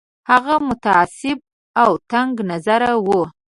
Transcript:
هغه متعصب او تنګ نظر وو.